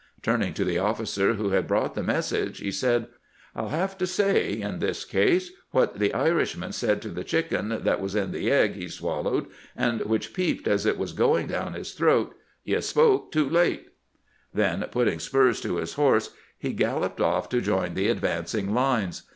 Turning to the officer who had brought the message, he said :' I 'U have to say, in this case, what the Irishman said to the chicken that was in the egg he swallowed, and which peeped as it was going down his throat :" You spoke too late." ' Then, GEANT'S CHILDEEN AT CITY POINT 365 putting spurs to his horse, he galloped off to join the advancing lines.